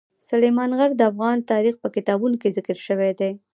سلیمان غر د افغان تاریخ په کتابونو کې ذکر شوی دي.